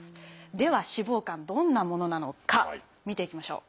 では脂肪肝どんなものなのか見ていきましょう。